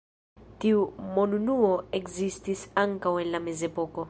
Tiu monunuo ekzistis ankaŭ en la Mezepoko.